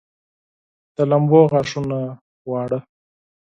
د لمبو غاښونه واړه